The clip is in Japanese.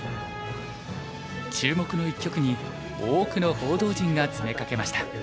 注目の一局に多くの報道陣が詰めかけました。